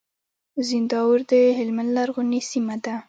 زينداور د هلمند لرغونې سيمه ده.